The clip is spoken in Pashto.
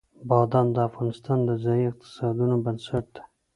بادام د افغانستان د ځایي اقتصادونو بنسټ دی.